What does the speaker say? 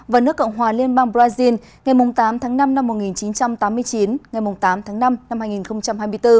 và nước cộng hòa liên bang brazil ngày tám tháng năm năm một nghìn chín trăm tám mươi chín ngày tám tháng năm năm hai nghìn hai mươi bốn